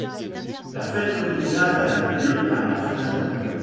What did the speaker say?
La fête communale a lieu à la fin juin.